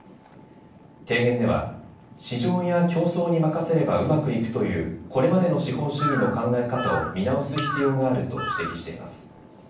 提言では市場や競争に任せればうまくいくというこれまでの資本主義の考え方を見直す必要があると指摘しています。